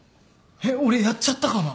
えっ俺やっちゃったかな？